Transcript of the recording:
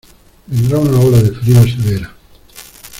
Vendrá una ola de frío severa.